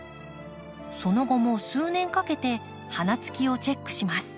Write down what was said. その後も数年かけて花つきをチェックします。